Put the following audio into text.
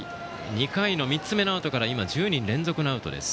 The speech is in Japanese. ２回の３つ目のアウトから１０人連続アウトです。